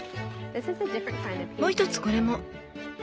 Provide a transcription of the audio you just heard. もう一つこれも。